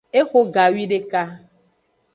Exo gawideka.